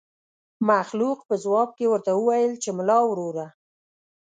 مخلوق په ځواب کې ورته وويل چې ملا وروره.